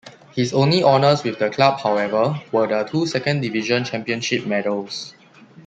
His only honours with the club, however, were the two Second Division championship medals.